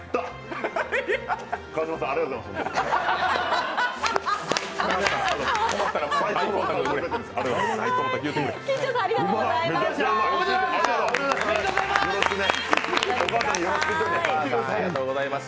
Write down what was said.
川島さん、ありがとうございます。